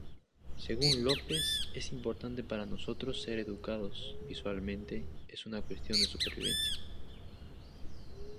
Según López, "Es importante para nosotros ser educados visualmente; es una cuestión de supervivencia.